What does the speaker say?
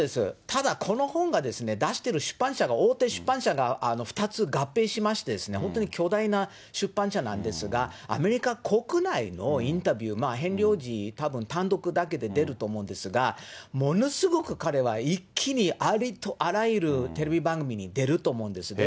ただこの本が、出してる出版社が、大手出版社が２つ合併しまして、本当に巨大な出版社なんですが、アメリカ国内のインタビュー、ヘンリー王子、たぶん単独だけで出ると思うんですが、ものすごく彼は一気に、ありとあらゆるテレビ番組に出ると思うんですね。